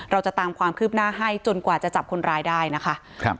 เราจะตามความคืบหน้าให้จนกว่าจะจับคนร้ายได้นะคะครับ